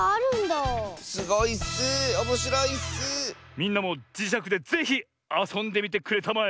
みんなもじしゃくでぜひあそんでみてくれたまえ。